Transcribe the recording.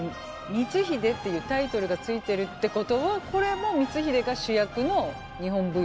「光秀」っていうタイトルが付いてるってことはこれも光秀が主役の日本舞踊なんじゃないんですか。